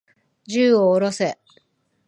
銃を下ろせ。